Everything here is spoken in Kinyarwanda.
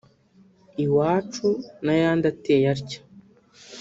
“iwacu” n’ayandi ateye atya